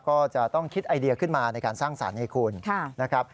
ก็จะต้องคิดไอเดียขึ้นมาในการสร้างสรรค์ให้คุณนะครับ